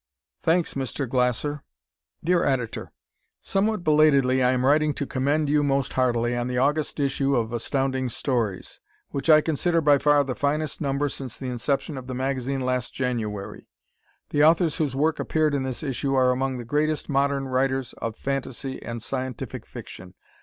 Thanks, Mr. Glasser Dear Editor: Somewhat belatedly I am writing to commend you most heartily on the August issue of Astounding Stories, which I consider by far the finest number since the inception of the magazine last January. The authors whose work appeared in this issue are among the greatest modern writers of fantasy and scientific fiction.